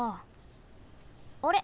あれ？